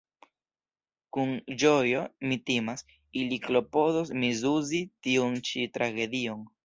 Kun ĝojo – mi timas – ili klopodos misuzi tiun ĉi tragedion.